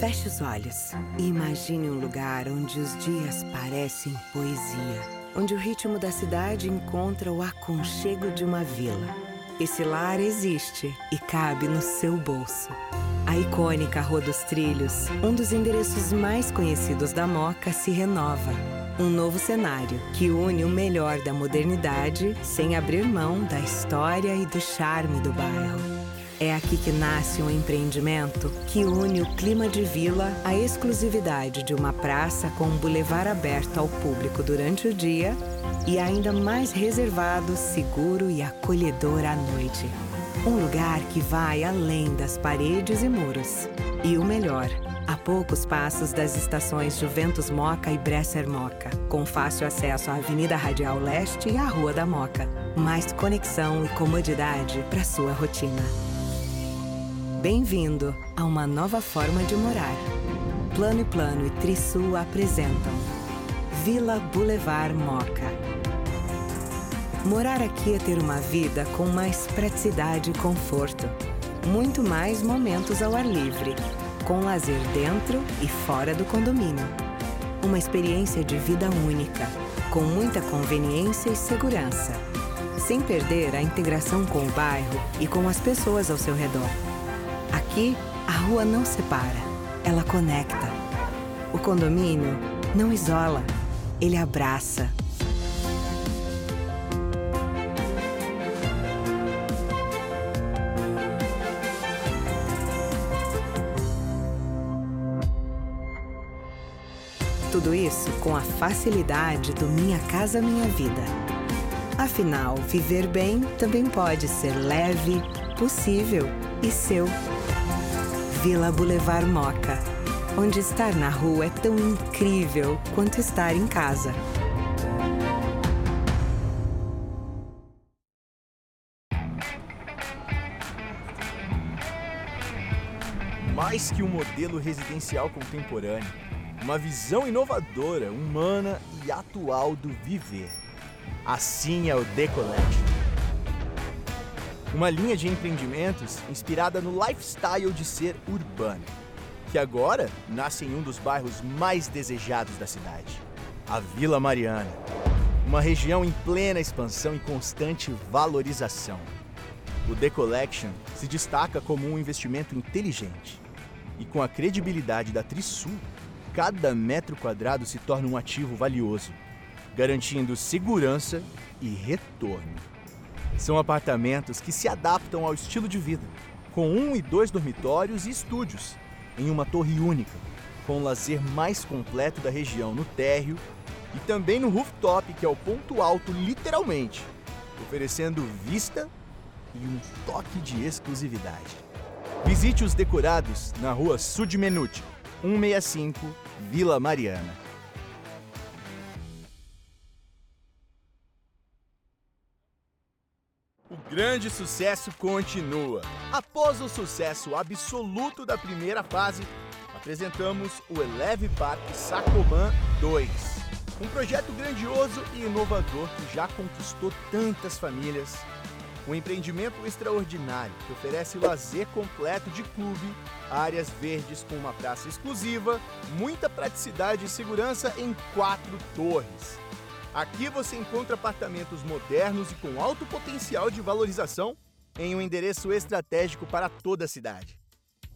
Feche os olhos e imagine um lugar onde os dias parecem poesia, onde o ritmo da cidade encontra o aconchego de uma vila. Esse lar existe e cabe no seu bolso. A icônica Rua dos Trilhos, um dos endereços mais conhecidos da Mooca, se renova. Um novo cenário que une o melhor da modernidade sem abrir mão da história e do charme do bairro. É aqui que nasce um empreendimento que une o clima de vila à exclusividade de uma praça com um boulevard aberto ao público durante o dia e ainda mais reservado, seguro e acolhedor à noite. Um lugar que vai além das paredes e muros. O melhor, a poucos passos das estações Juventus-Mooca e Bresser-Mooca, com fácil acesso à Avenida Radial Leste e à Rua da Mooca. Mais conexão e comodidade pra sua rotina. Bem-vindo a uma nova forma de morar. Plano & Plano e Trisul apresentam: Vila Boulevard Mooca. Morar aqui é ter uma vida com mais praticidade e conforto. Muito mais momentos ao ar livre, com lazer dentro e fora do condomínio. Uma experiência de vida única, com muita conveniência e segurança, sem perder a integração com o bairro e com as pessoas ao seu redor. Aqui, a rua não separa, ela conecta. O condomínio não isola, ele abraça. Tudo isso com a facilidade do Minha Casa, Minha Vida. Afinal, viver bem também pode ser leve, possível e seu. Vila Boulevard Mooca, onde estar na rua é tão incrível quanto estar em casa. Mais que um modelo residencial contemporâneo, uma visão inovadora, humana e atual do viver. Assim é o The Collection. Uma linha de empreendimentos inspirada no lifestyle de ser urbano, que agora nasce em um dos bairros mais desejados da cidade, a Vila Mariana. Uma região em plena expansão e constante valorização. O The Collection se destaca como um investimento inteligente. Com a credibilidade da Trisul, cada metro quadrado se torna um ativo valioso, garantindo segurança e retorno. São apartamentos que se adaptam ao estilo de vida, com 1 e 2 dormitórios e estúdios, em uma torre única, com o lazer mais completo da região no térreo e também no rooftop, que é o ponto alto, literalmente, oferecendo vista e um toque de exclusividade. Visite os decorados na Rua Dr. Zuquim, 115, Vila Mariana. O grande sucesso continua. Após o sucesso absoluto da primeira fase, apresentamos o Elev Park Sacomã 2. Um projeto grandioso e inovador que já conquistou tantas famílias. Um empreendimento extraordinário, que oferece lazer completo de clube, áreas verdes com uma praça exclusiva, muita praticidade e segurança em quatro torres. Aqui você encontra apartamentos modernos e com alto potencial de valorização em um endereço estratégico para toda a cidade.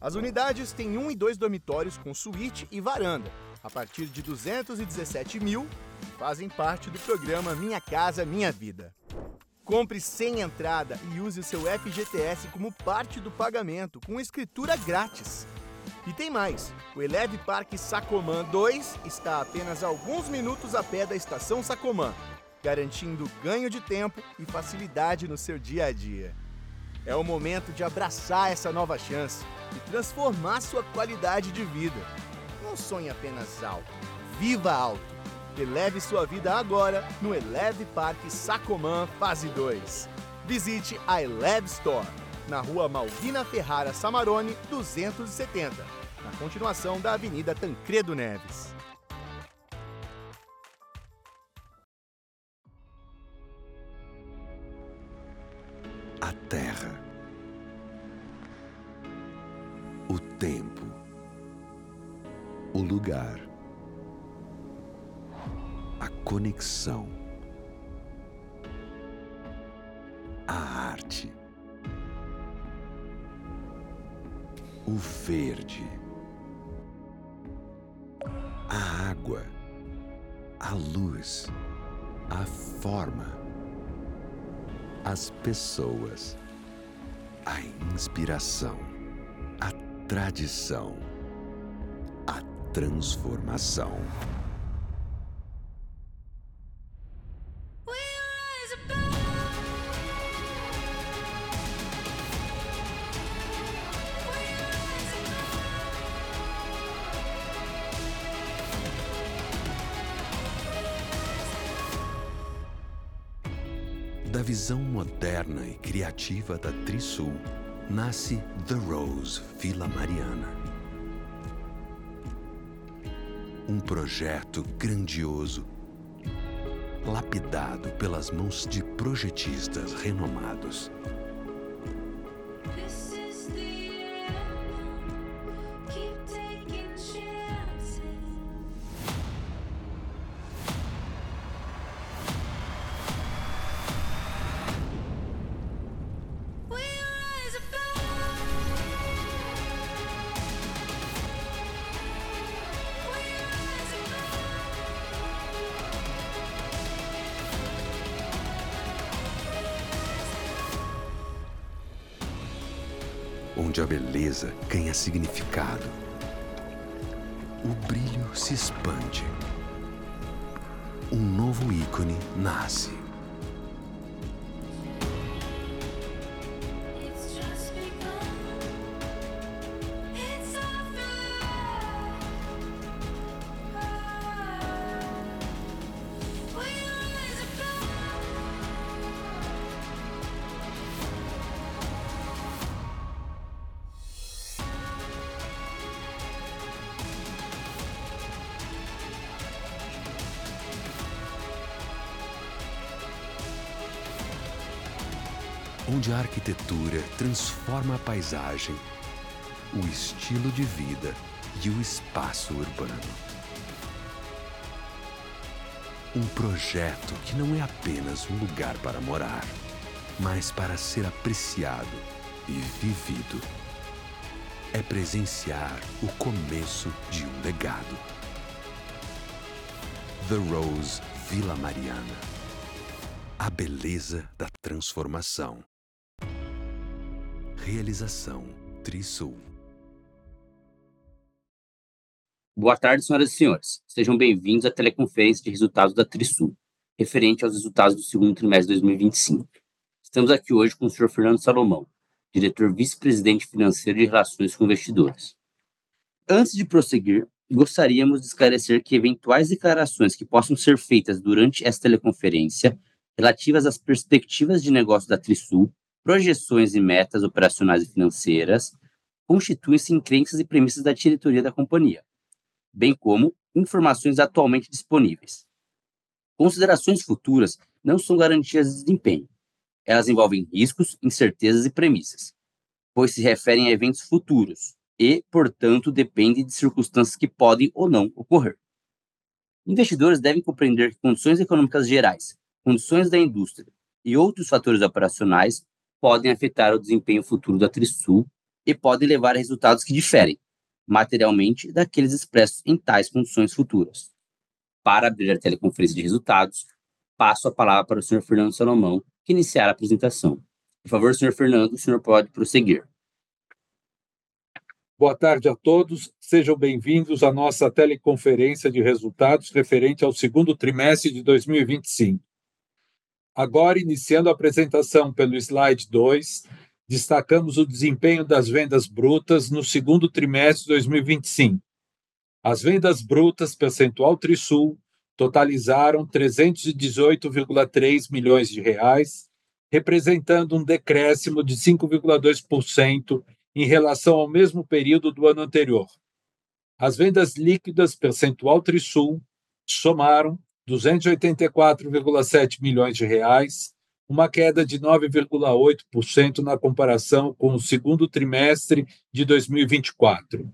As unidades têm um e dois dormitórios com suíte e varanda, a partir de 217 mil, e fazem parte do programa Minha Casa, Minha Vida. Compre sem entrada e use o seu FGTS como parte do pagamento, com escritura grátis. Tem mais, o Elev Park Sacomã 2 está apenas alguns minutos a pé da estação Sacomã, garantindo ganho de tempo e facilidade no seu dia a dia. É o momento de abraçar essa nova chance e transformar sua qualidade de vida. Não sonhe apenas alto, viva alto. Eleve sua vida agora no Elev Park Sacomã fase dois. Visite a Elev Store, na Rua Malvina Ferrara Samarone, 270, na continuação da Avenida Tancredo Neves. A Terra, o tempo, o lugar, a conexão, a arte, o verde, a água, a luz, a forma, as pessoas, a inspiração, a tradição, a transformação. Da visão moderna e criativa da Trisul, nasce The Rose Vila Mariana. Um projeto grandioso, lapidado pelas mãos de projetistas renomados. Onde a beleza ganha significado, o brilho se expande. Um novo ícone nasce. Onde a arquitetura transforma a paisagem, o estilo de vida e o espaço urbano. Um projeto que não é apenas um lugar para morar, mas para ser apreciado e vivido. É presenciar o começo de um legado. The Rose Vila Mariana. A beleza da transformação. Realização Trisul. Boa tarde, senhoras e senhores. Sejam bem-vindos à teleconferência de resultados da Trisul, referente aos resultados do segundo trimestre de 2025. Estamos aqui hoje com o senhor Fernando Salomão, Diretor Vice-Presidente Financeiro e de Relações com Investidores. Antes de prosseguir, gostaríamos de esclarecer que eventuais declarações que possam ser feitas durante esta teleconferência, relativas às perspectivas de negócios da Trisul, projeções e metas operacionais e financeiras, constituem-se em crenças e premissas da diretoria da companhia, bem como informações atualmente disponíveis. Considerações futuras não são garantias de desempenho. Elas envolvem riscos, incertezas e premissas, pois se referem a eventos futuros e, portanto, dependem de circunstâncias que podem ou não ocorrer. Investidores devem compreender que condições econômicas gerais, condições da indústria e outros fatores operacionais podem afetar o desempenho futuro da Trisul e podem levar a resultados que diferem materialmente daqueles expressos em tais condições futuras. Para abrir a teleconferência de resultados, passo a palavra para o senhor Fernando Salomão, que iniciará a apresentação. Por favor, senhor Fernando, o senhor pode prosseguir. Boa tarde a todos. Sejam bem-vindos à nossa teleconferência de resultados referente ao segundo trimestre de 2025. Agora iniciando a apresentação pelo slide 2, destacamos o desempenho das vendas brutas no segundo trimestre de 2025. As vendas brutas da Trisul totalizaram BRL 318.3 milhões, representando um decréscimo de 5.2% em relação ao mesmo período do ano anterior. As vendas líquidas da Trisul somaram BRL 284.7 milhões, uma queda de 9.8% na comparação com o segundo trimestre de 2024.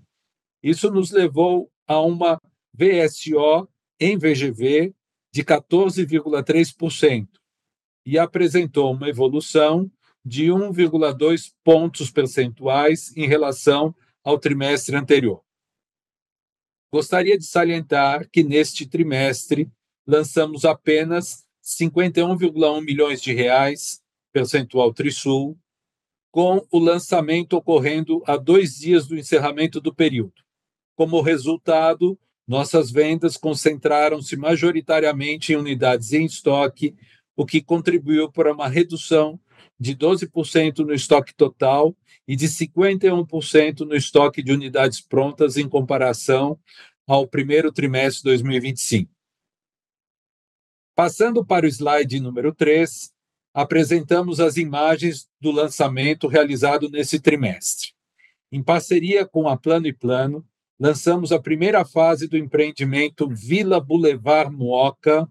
Isso nos levou a uma VSO em VGV de 14.3% e apresentou uma evolução de 1.2 pontos percentuais em relação ao trimestre anterior. Gostaria de salientar que neste trimestre lançamos apenas 51.1 million reais percentual Trisul, com o lançamento ocorrendo há 2 dias do encerramento do período. Como resultado, nossas vendas concentraram-se majoritariamente em unidades em estoque, o que contribuiu para uma redução de 12% no estoque total e de 51% no estoque de unidades prontas em comparação ao primeiro trimestre de 2025. Passando para o slide 3, apresentamos as imagens do lançamento realizado nesse trimestre. Em parceria com a Plano & Plano, lançamos a primeira fase do empreendimento Vila Boulevard Mooca,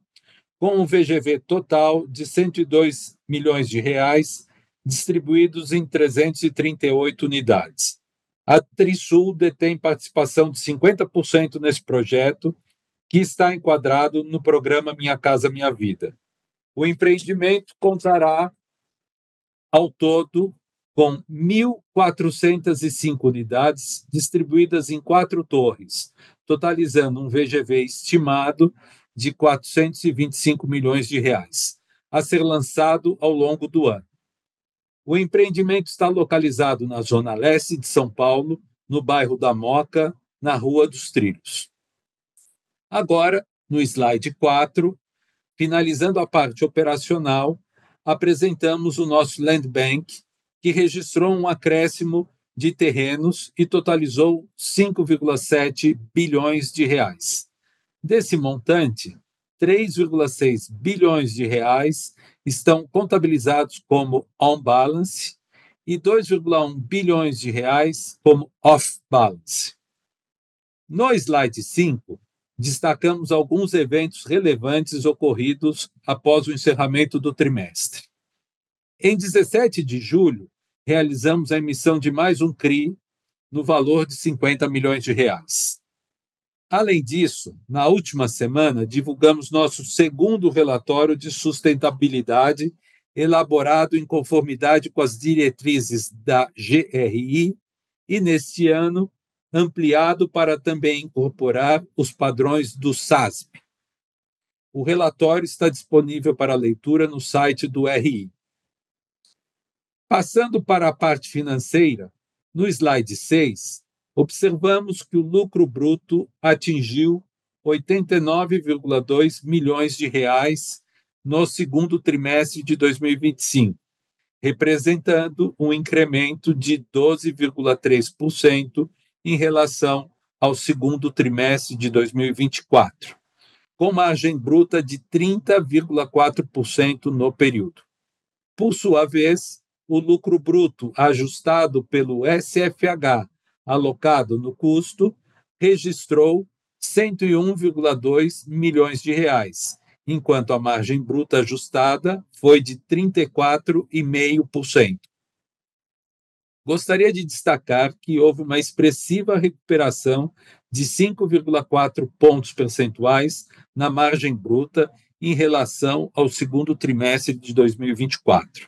com um VGV total de 102 million reais, distribuídos em 338 unidades. A Trisul detém participação de 50% nesse projeto, que está enquadrado no programa Minha Casa, Minha Vida. O empreendimento contará ao todo com 1,405 unidades distribuídas em quatro torres, totalizando um VGV estimado de 425 million reais, a ser lançado ao longo do ano. O empreendimento está localizado na zona leste de São Paulo, no bairro da Moóca, na Rua dos Trilhos. No slide 4, finalizando a parte operacional, apresentamos o nosso Land Bank, que registrou um acréscimo de terrenos e totalizou 5.7 billion reais. Desse montante, 3.6 billion reais estão contabilizados como on balance e 2.1 billion reais como off balance. No slide 5, destacamos alguns eventos relevantes ocorridos após o encerramento do trimestre. Em 17 de julho, realizamos a emissão de mais um CRI no valor de 50 million reais. Além disso, na última semana, divulgamos nosso segundo relatório de sustentabilidade, elaborado em conformidade com as diretrizes da GRI e, neste ano, ampliado para também incorporar os padrões do SASB. O relatório está disponível para leitura no site do RI. Passando para a parte financeira, no slide 6, observamos que o lucro bruto atingiu 89.2 milhões reais no segundo trimestre de 2025, representando um incremento de 12.3% em relação ao segundo trimestre de 2024, com margem bruta de 30.4% no período. Por sua vez, o lucro bruto ajustado pelo SFH alocado no custo registrou 101.2 milhões reais, enquanto a margem bruta ajustada foi de 34.5%. Gostaria de destacar que houve uma expressiva recuperação de 5.4 pontos percentuais na margem bruta em relação ao segundo trimestre de 2024.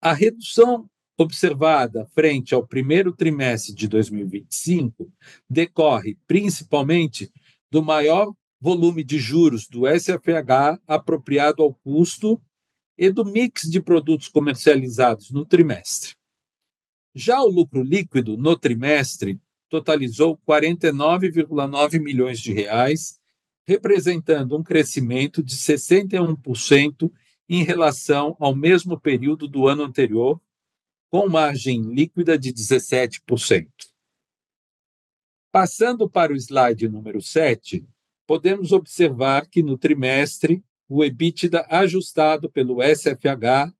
A redução observada frente ao primeiro trimestre de 2025 decorre principalmente do maior volume de juros do SFH apropriado ao custo e do mix de produtos comercializados no trimestre. O lucro líquido no trimestre totalizou 49.9 million reais, representando um crescimento de 61% em relação ao mesmo período do ano anterior, com margem líquida de 17%. Passando para o slide 7, podemos observar que no trimestre, o EBITDA ajustado pelo SFH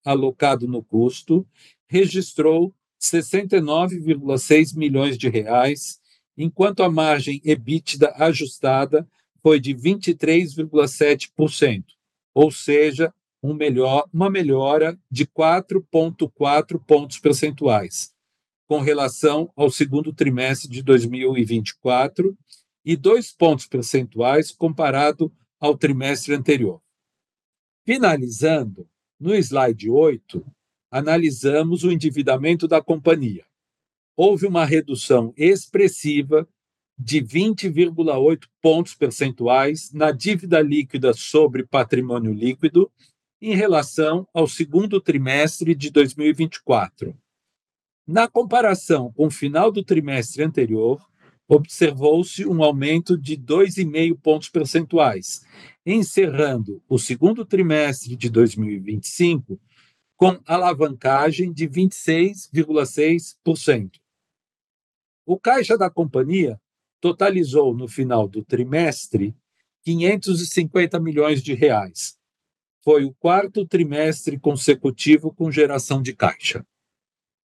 alocado no custo registrou 69.6 million reais, enquanto a margem EBITDA ajustada foi de 23.7%, ou seja, uma melhora de 4.4 pontos percentuais com relação ao segundo trimestre de 2024 e 2 pontos percentuais comparado ao trimestre anterior. Finalizando, no slide 8, analisamos o endividamento da companhia. Houve uma redução expressiva de 20.8 pontos percentuais na dívida líquida sobre patrimônio líquido em relação ao segundo trimestre de 2024. Na comparação com o final do trimestre anterior, observou-se um aumento de 2.5 pontos percentuais, encerrando o segundo trimestre de 2025 com alavancagem de 26.6%. O caixa da companhia totalizou, no final do trimestre, 550 million reais. Foi o quarto trimestre consecutivo com geração de caixa.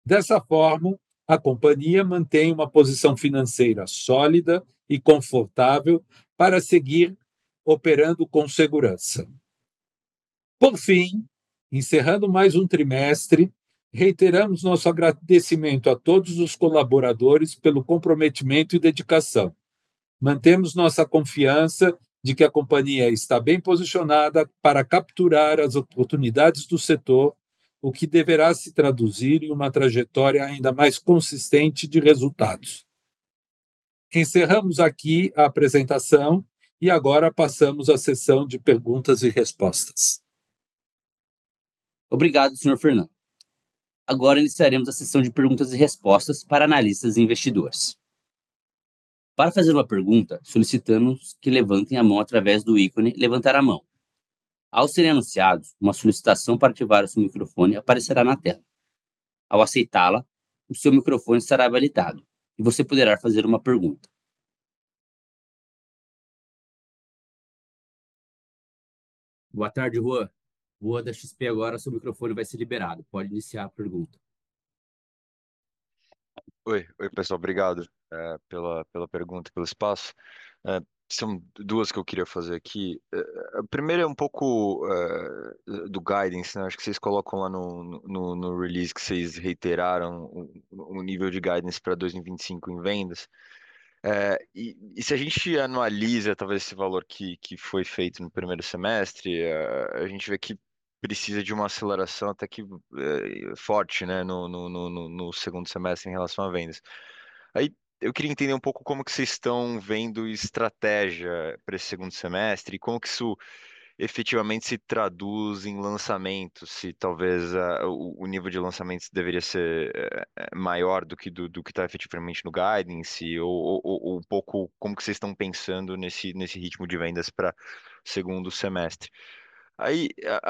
Dessa forma, a companhia mantém uma posição financeira sólida e confortável para seguir operando com segurança. Por fim, encerrando mais um trimestre, reiteramos nosso agradecimento a todos os colaboradores pelo comprometimento e dedicação. Mantemos nossa confiança de que a companhia está bem posicionada para capturar as oportunidades do setor, o que deverá se traduzir em uma trajetória ainda mais consistente de resultados. Encerramos aqui a apresentação e agora passamos à sessão de perguntas e respostas. Obrigado, senhor Fernando. Agora iniciaremos a sessão de perguntas e respostas para analistas e investidores. Para fazer uma pergunta, solicitamos que levantem a mão através do ícone "levantar a mão". Ao serem anunciados, uma solicitação para ativar o seu microfone aparecerá na tela. Ao aceitá-la, o seu microfone será validado e você poderá fazer uma pergunta. Boa tarde, Ruan. Ruan da XP, agora o seu microfone vai ser liberado. Pode iniciar a pergunta. Oi. Oi, pessoal, obrigado pela pergunta e pelo espaço. São duas que eu queria fazer aqui. A primeira é um pouco do guidance, né, acho que cês colocam lá no release que cês reiteraram um nível de guidance pra 2025 em vendas. Se a gente analisa talvez esse valor que foi feito no primeiro semestre, a gente vê que precisa de uma aceleração até que forte, né, no segundo semestre em relação às vendas. Eu queria entender como que cês tão vendo estratégia pra esse segundo semestre e como que isso efetivamente se traduz em lançamentos, se talvez o nível de lançamentos deveria ser maior do que tá efetivamente no guidance ou um pouco como que cês tão pensando nesse ritmo de vendas pra segundo semestre.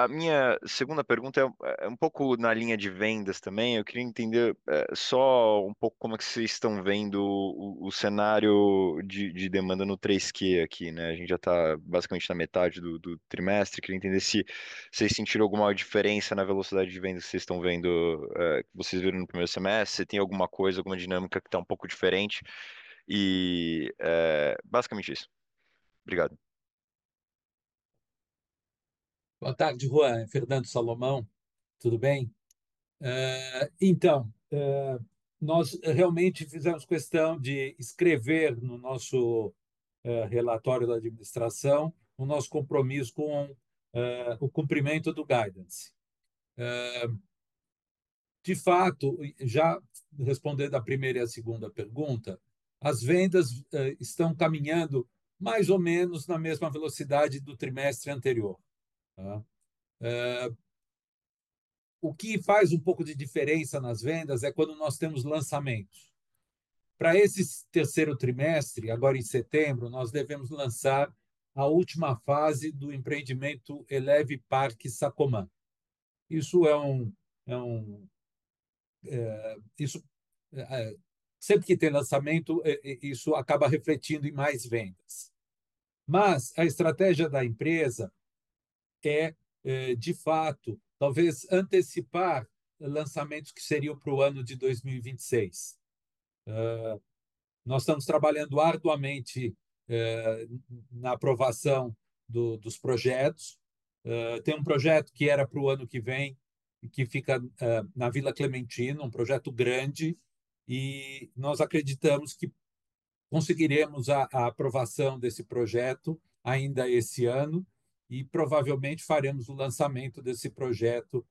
Minha segunda pergunta é um pouco na linha de vendas também. Eu queria entender só um pouco como é que cês tão vendo o cenário de demanda no 3Q aqui, né? A gente já tá basicamente na metade do trimestre. Queria entender se cês sentiram alguma diferença na velocidade de vendas que cês tão vendo que vocês viram no primeiro semestre. Se tem alguma coisa, alguma dinâmica que tá um pouco diferente. Basicamente isso. Obrigado. Boa tarde, Juan. Fernando Salomão. Tudo bem? Então, nós realmente fizemos questão de escrever no nosso relatório da administração, o nosso compromisso com o cumprimento do guidance. De fato, já respondendo a primeira e a segunda pergunta, as vendas estão caminhando mais ou menos na mesma velocidade do trimestre anterior, tá? O que faz um pouco de diferença nas vendas é quando nós temos lançamentos. Para esse terceiro trimestre, agora em setembro, nós devemos lançar a última fase do empreendimento Elev Park Sacomã. Isso é um sempre que tem lançamento, e isso acaba refletindo em mais vendas. A estratégia da empresa é, de fato, talvez antecipar lançamentos que seriam para o ano de 2026. Nós estamos trabalhando arduamente na aprovação dos projetos. Tem um projeto que era pro ano que vem, que fica na Vila Clementino, um projeto grande. Nós acreditamos que conseguiremos a aprovação desse projeto ainda esse ano e provavelmente faremos o lançamento desse projeto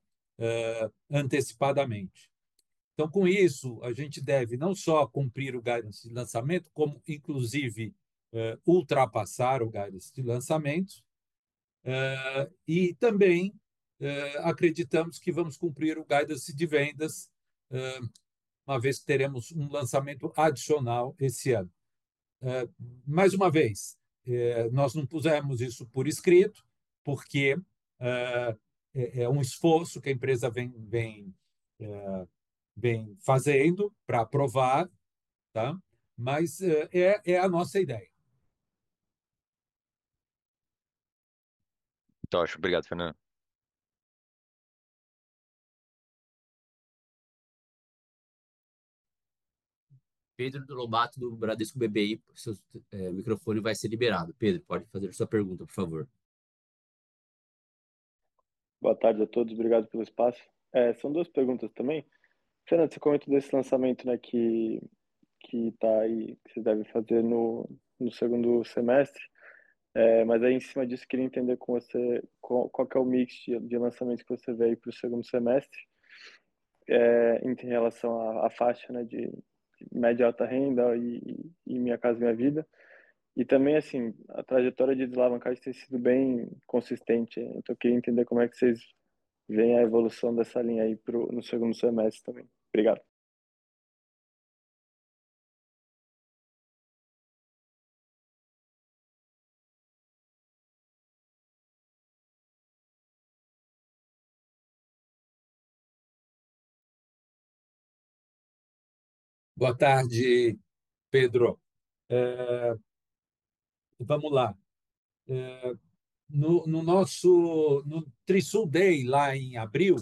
antecipadamente. Com isso, a gente deve não só cumprir o guidance de lançamento, como inclusive ultrapassar o guidance de lançamentos. Também acreditamos que vamos cumprir o guidance de vendas, uma vez que teremos um lançamento adicional esse ano. Mais uma vez, nós não pusemos isso por escrito, porque é um esforço que a empresa vem fazendo pra aprovar, tá? É a nossa ideia. Top. Obrigado, Fernando. Pedro Lobato, do Bradesco BBI. Seu microfone vai ser liberado. Pedro, pode fazer sua pergunta, por favor. Boa tarde a todos. Obrigado pelo espaço. São duas perguntas também. Fernando, cê comentou desse lançamento, né, que tá aí, que cês devem fazer no segundo semestre. Mas aí em cima disso, queria entender com você qual que é o mix de lançamentos que você vê aí pro segundo semestre. Em relação à faixa, né, de média e alta renda e Minha Casa, Minha Vida. Também assim, a trajetória de desalavancagem tem sido bem consistente. Então eu queria entender como é que cês veem a evolução dessa linha aí pro no segundo semestre também. Obrigado. Boa tarde, Pedro. Vamo lá. No nosso Trisul Day, lá em abril,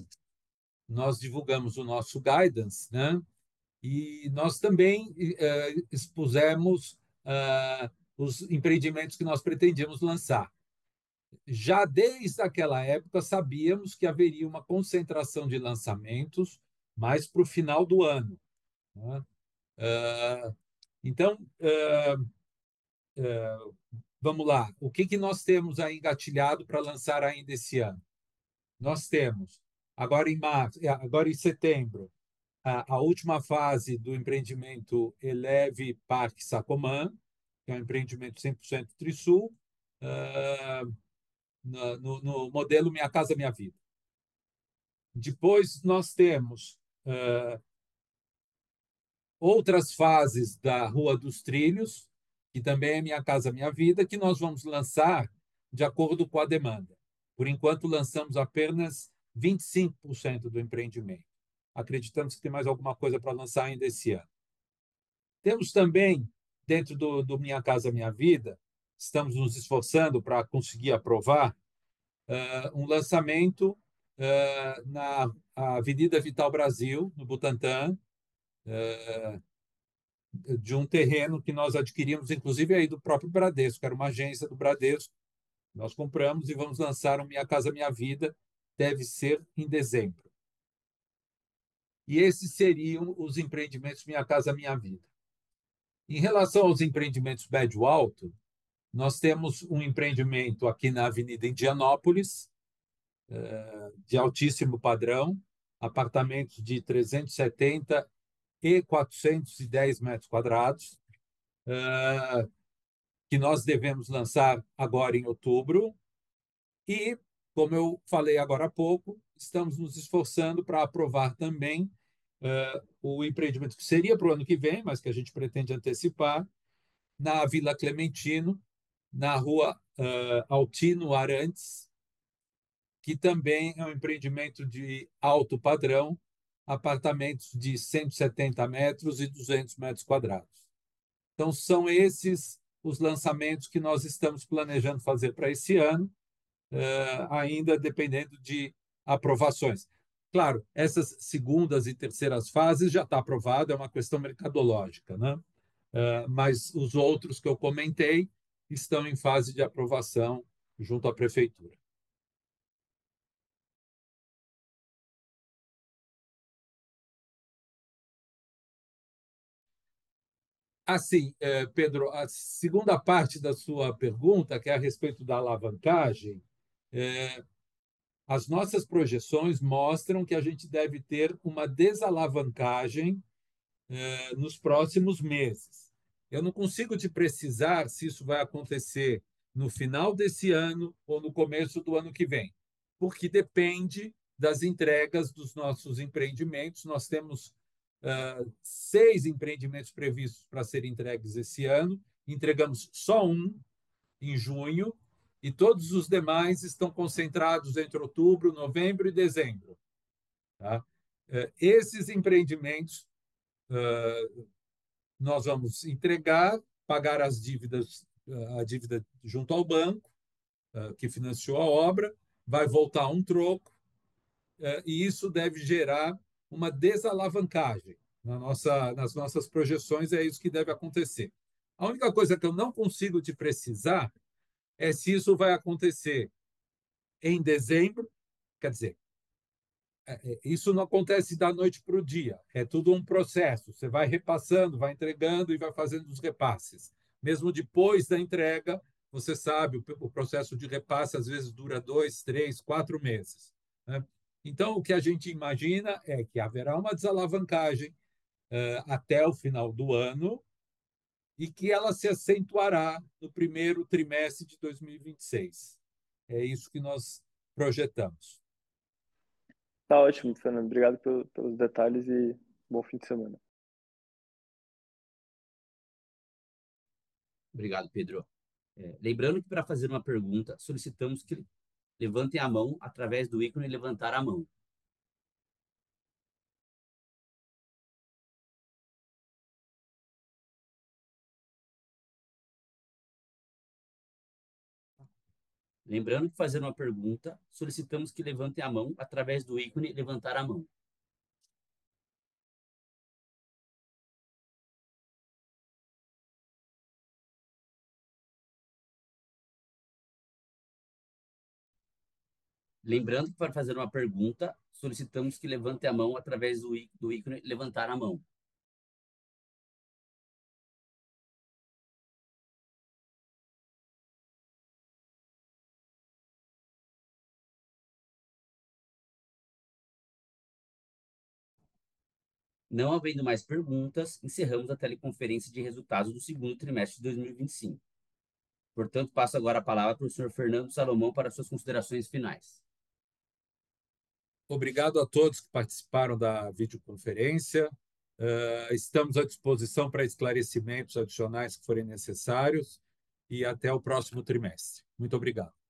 nós divulgamos o nosso guidance, né? Nós também expusemos os empreendimentos que nós pretendíamos lançar. Já desde aquela época, sabíamos que haveria uma concentração de lançamentos mais pro final do ano, né? Então, vamo lá. O que que nós temos aí engatilhado pra lançar ainda esse ano? Nós temos agora em setembro a última fase do empreendimento Elev Park Sacomã, que é um empreendimento 100% Trisul, no modelo Minha Casa, Minha Vida. Depois nós temos outras fases da Rua dos Trilhos, que também é Minha Casa, Minha Vida, que nós vamos lançar de acordo com a demanda. Por enquanto, lançamos apenas 25% do empreendimento. Acreditamos que tem mais alguma coisa pra lançar ainda esse ano. Temos também dentro do Minha Casa, Minha Vida, estamos nos esforçando pra conseguir aprovar um lançamento na avenida Vital Brasil, no Butantã, de um terreno que nós adquirimos, inclusive aí do próprio Bradesco, era uma agência do Bradesco. Nós compramos e vamos lançar o Minha Casa, Minha Vida, deve ser em dezembro. Esses seriam os empreendimentos Minha Casa, Minha Vida. Em relação aos empreendimentos médio-alto, nós temos um empreendimento aqui na Avenida Indianópolis, de altíssimo padrão, apartamentos de 370 e 410 metros quadrados, que nós devemos lançar agora em outubro. Como eu falei agora há pouco, estamos nos esforçando pra aprovar também o empreendimento que seria pro ano que vem, mas que a gente pretende antecipar. Na Vila Clementino, na Rua Altino Arantes, que também é um empreendimento de alto padrão, apartamentos de 170 metros e 200 metros quadrados. Então são esses os lançamentos que nós estamos planejando fazer pra esse ano, ainda dependendo de aprovações. Claro, essas segundas e terceiras fases já tá aprovada, é uma questão mercadológica, né? Mas os outros que eu comentei estão em fase de aprovação junto à prefeitura. Assim, Pedro, a segunda parte da sua pergunta, que é a respeito da alavancagem, as nossas projeções mostram que a gente deve ter uma desalavancagem nos próximos meses. Eu não consigo te precisar se isso vai acontecer no final desse ano ou no começo do ano que vem, porque depende das entregas dos nossos empreendimentos. Nós temos 6 empreendimentos previstos pra ser entregues esse ano. Entregamos só 1 em junho e todos os demais estão concentrados entre outubro, novembro e dezembro. Esses empreendimentos nós vamos entregar, pagar as dívidas, a dívida junto ao banco que financiou a obra, vai voltar um troco e isso deve gerar uma desalavancagem. Nas nossas projeções, é isso que deve acontecer. A única coisa que eu não consigo te precisar é se isso vai acontecer em dezembro. Quer dizer, isso não acontece da noite pro dia, é tudo um processo. Cê vai repassando, vai entregando e vai fazendo os repasses. Mesmo depois da entrega, você sabe, o processo de repasse às vezes dura 2, 3, 4 meses, né? Então o que a gente imagina é que haverá uma desalavancagem até o final do ano e que ela se acentuará no primeiro trimestre de 2026. É isso que nós projetamos. Tá ótimo, Fernando. Obrigado pelos detalhes e bom fim de semana. Obrigado, Pedro. Lembrando que pra fazer uma pergunta, solicitamos que levantem a mão através do ícone "levantar a mão". Não havendo mais perguntas, encerramos a teleconferência de resultados do segundo trimestre de 2025. Portanto, passo agora a palavra pro Senhor Fernando Salomão para suas considerações finais. Obrigado a todos que participaram da videoconferência. Estamos à disposição pra esclarecimentos adicionais que forem necessários e até o próximo trimestre. Muito obrigado.